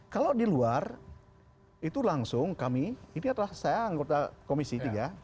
kalau di luar itu langsung kami ini adalah saya anggota komisi tiga